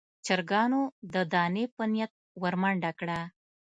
چرګانو د دانې په نيت ور منډه کړه.